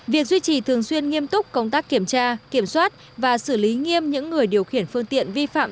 việc duy trì thường xuyên nghiêm túc công tác kiểm tra kiểm soát và xử lý nghiêm những người điều khiển phương tiện vi phạm